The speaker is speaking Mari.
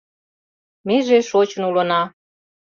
Меже шочын улына